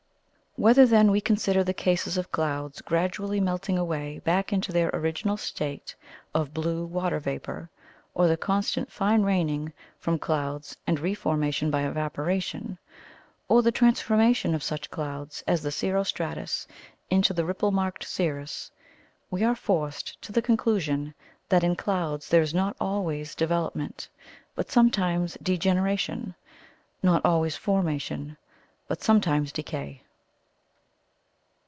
Whether, then, we consider the cases of clouds gradually melting away back into their original state of blue water vapour, or the constant fine raining from clouds and re formation by evaporation, or the transformation of such clouds as the cirro stratus into the ripple marked cirrus, we are forced to the conclusion that in clouds there is not always development, but sometimes degeneration; not always formation, but sometimes decay.